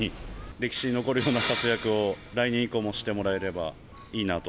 歴史に残るような活躍を、来年以降もしてもらえればいいなと。